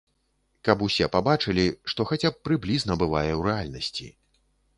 Каб усе пабачылі, што хаця б прыблізна бывае ў рэальнасці.